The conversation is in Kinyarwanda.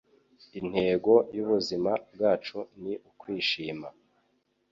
Intego y'ubuzima bwacu ni ukwishima.”